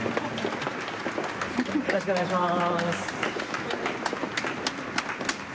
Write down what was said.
・よろしくお願いします。